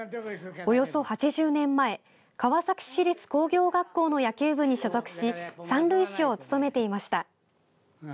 およそ８０年前川崎市立工業学校の野球部に所属し三塁手を務めていました。